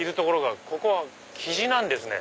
ええここはキジなんですね。